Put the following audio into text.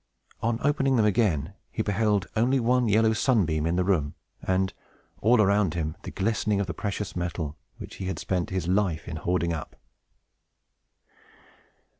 On opening them again, he beheld only one yellow sunbeam in the room, and, all around him, the glistening of the precious metal which he had spent his life in hoarding up.